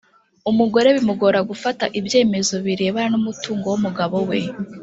umugore bimugora gufata ibyemezo birebana n’umutungo w’umugabo we.